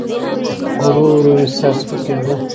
ورو ورو مې سر سپکېده.